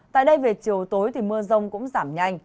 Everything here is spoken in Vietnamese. tại đây về chiều tối thì mưa rông cũng giảm nhanh